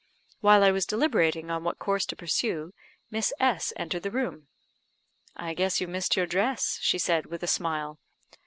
While I was deliberating on what course to pursue, Miss S entered the room. "I guess you missed your dress," she said, with a smile.